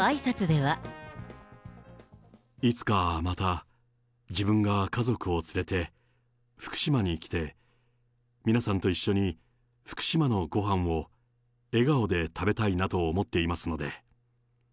いつかまた、自分が家族を連れて、福島に来て、皆さんと一緒に福島のごはんを笑顔で食べたいなと思っていますので。